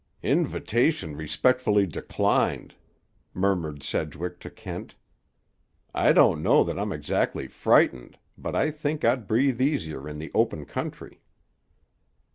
"Invitation respectfully declined," murmured Sedgwick to Kent. "I don't know that I'm exactly frightened; but I think I'd breathe easier in the open country."